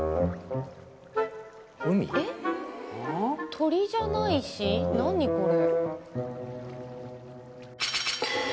鳥じゃないし何これ。